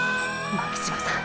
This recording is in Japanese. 巻島さん！！